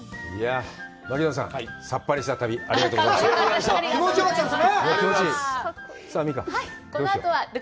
槙野さん、さっぱりした旅、ありがとうおなかすきました。